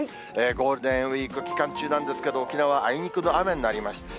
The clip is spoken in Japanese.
ゴールデンウィーク期間中なんですけど、沖縄、あいにくの雨になりました。